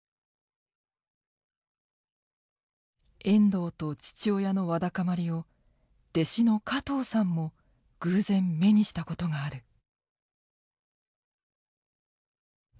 遠藤と父親のわだかまりを弟子の加藤さんも偶然目にしたことがある。